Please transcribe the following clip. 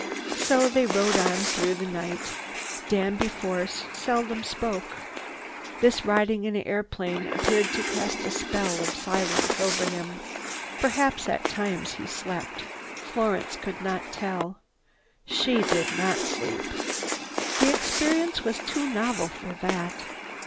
So they rode on through the night. Danby Force seldom spoke. This riding in an airplane appeared to cast a spell of silence over him. Perhaps, at times, he slept. Florence could not tell. She did not sleep. The experience was too novel for that.